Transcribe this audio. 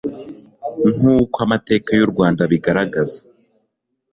Nk'uko amateka y'u Rwanda abigaragaza,